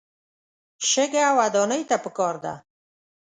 شګه ودانۍ ته پکار ده.